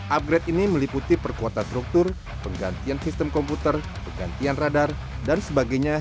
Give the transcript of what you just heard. upgrade ini meliputi perkuatan struktur penggantian sistem komputer penggantian radar dan sebagainya